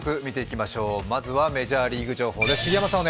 まずはメジャーリーグ情報です。